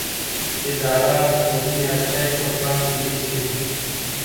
اداره د ټولنې اړتیاوې په پام کې نیسي.